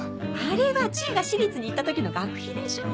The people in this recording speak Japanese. あれは知恵が私立に行った時の学費でしょ。